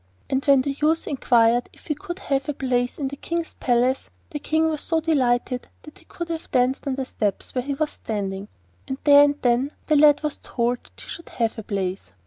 And when the youth inquired if he could have a place in the King's palace, the King was so delighted that he could have danced on the steps where he was standing, and there and then the lad was told that he should have a place.